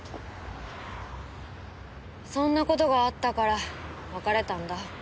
そんな事があったから別れたんだ。